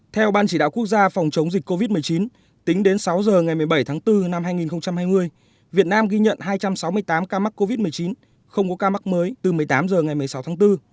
theo ban chỉ đạo quốc gia phòng chống dịch covid một mươi chín tính đến sáu h ngày một mươi bảy tháng bốn năm hai nghìn hai mươi việt nam ghi nhận hai trăm sáu mươi tám ca mắc covid một mươi chín không có ca mắc mới từ một mươi tám h ngày một mươi sáu tháng bốn